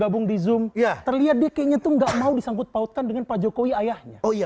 gabung di zoom ya terlihat dki itu nggak mau disangkut pautkan dengan pak jokowi ayahnya oh ya